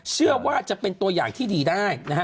เชื่อว่าจะเป็นตัวอย่างที่ดีได้นะฮะ